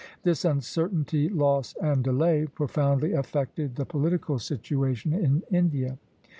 This uncertainty, loss, and delay profoundly affected the political situation in India.